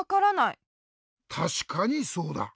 たしかにそうだ。